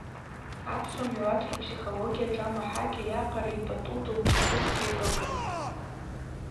Аԥсуа милаҭ рԥсихологиаҿы амаҳагьа иаҟара ипатудоу ԥстәыкгьы ыҟам.